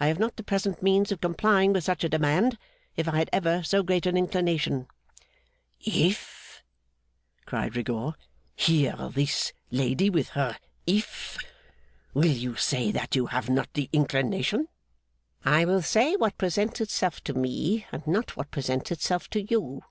I have not the present means of complying with such a demand, if I had ever so great an inclination.' 'If!' cried Rigaud. 'Hear this lady with her If! Will you say that you have not the inclination?' 'I will say what presents itself to me, and not what presents itself to you.